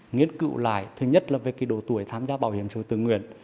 nghiên cứu lại thứ nhất là về cái độ tuổi tham gia bảo hiểm xã hội từ nguyện